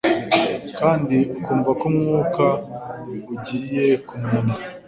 Kandi ukumva ko umwuka ugiye kumunanira